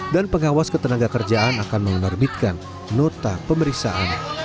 dan pengawas ketenaga kerjaan akan menerbitkan nota pemeriksaan